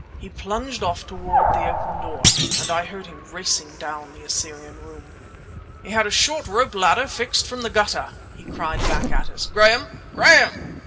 He plunged off toward the open door, and I heard him racing down the Assyrian Room. "He had a short rope ladder fixed from the gutter!" he cried back at us. "Graham! Graham!"